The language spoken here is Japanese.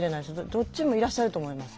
どっちもいらっしゃると思います。